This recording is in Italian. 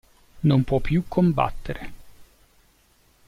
Non può più combattere.